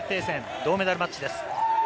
銅メダルマッチです。